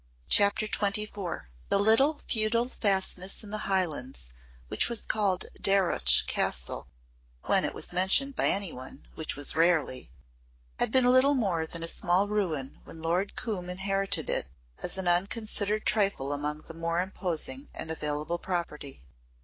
CHAPTER XXIV The little feudal fastness in the Highlands which was called Darreuch Castle when it was mentioned by any one, which was rarely had been little more than a small ruin when Lord Coombe inherited it as an unconsidered trifle among more imposing and available property.